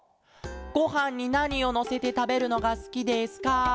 「ごはんになにをのせてたべるのがすきですか？